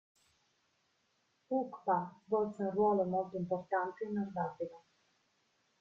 ʿUqba svolse un ruolo molto importante in Nordafrica.